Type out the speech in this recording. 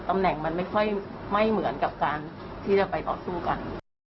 ตำแหน่งมันไม่ค่อยไม่เหมือนกับการที่จะไปต่อสู้กัน